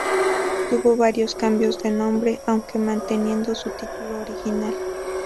Tuvo varios cambios de nombre, aunque manteniendo su título original.